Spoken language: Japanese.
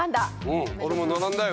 うん俺も並んだよ